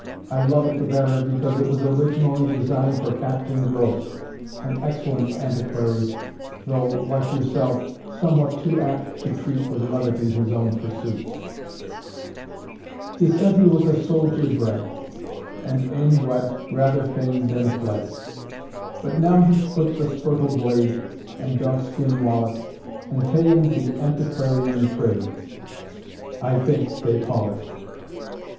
I love it the better, because it was originally designed for Captain Grose, an excellent antiquary, though, like yourself, somewhat too apt to treat with levity his own pursuits: 'Tis said he was a soldier bred, And ane wad rather fa'en than fled; But now he's quit the spurtle blade, And dog skin wallet, And ta'en the antiquarian trade, I think, they call it.